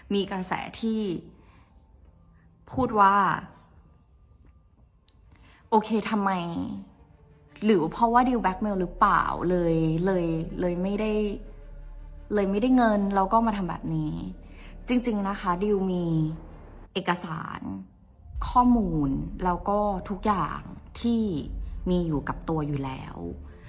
มีกระแสที่พูดว่าโอเคทำไมหรือเพราะว่าดิวแก๊กเมลหรือเปล่าเลยเลยเลยไม่ได้เลยไม่ได้เงินแล้วก็มาทำแบบนี้จริงนะคะดิวมีเอกสารข้อมูลแล้วก็ทุกอย่างที่มีอยู่กับตัวอยู่แล้ว